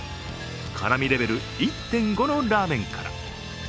辛味レベル１．５のラーメンから。